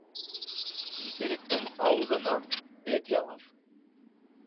Иҫеректең ауыҙынан эт ялар.